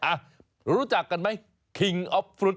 อ่ะรู้จักกันไหมคิงออฟฟรุด